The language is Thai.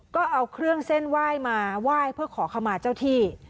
ก็เอาเครื่องเส้นไหว้มาไหว้เพื่อขอขมาเจ้าที่